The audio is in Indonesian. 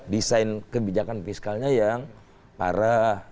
desain kebijakan fiskalnya yang parah